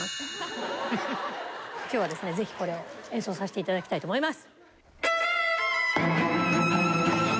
今日はぜひこれを演奏させていただきたいと思います。